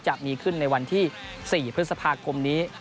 จะมีขึ้นในวันที่๔พฤษภาคมนี้